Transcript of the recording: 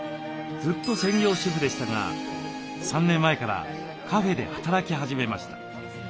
ずっと専業主婦でしたが３年前からカフェで働き始めました。